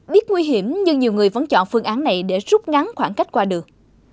biết nguy hiểm nhưng nhiều người vẫn chọn phương án này để rút ngắn khoảng cách qua được